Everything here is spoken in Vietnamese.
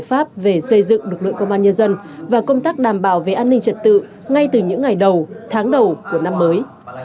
pháp về xây dựng lực lượng công an nhân dân và công tác đảm bảo về an ninh trật tự ngay từ những ngày đầu tháng đầu của năm mới